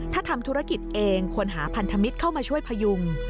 ถ้าทำธุรกิจเองควรหาพันธมิตรเข้ามาช่วยพยุง